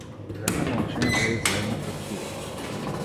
Двете момчиња беа изведени пред судот.